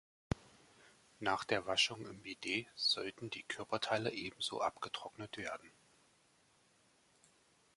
Nach der Waschung im Bidet sollten die Körperteile ebenso abgetrocknet werden.